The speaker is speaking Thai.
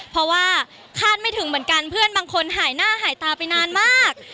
เพราะว่าคาดไม่ถึงเหมือนกันเพื่อนบางคนหายหน้าหายตาไปนานมาก